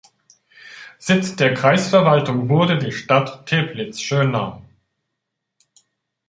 Sitz der Kreisverwaltung wurde die Stadt Teplitz-Schönau.